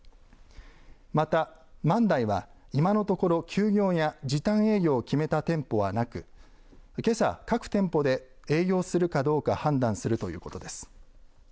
また万代は今のところ休業や時短営業を決めた店舗はなく、けさ各店舗で営業するかどうか判断するということです。